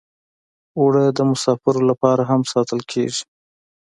اوړه د مسافرو لپاره هم ساتل کېږي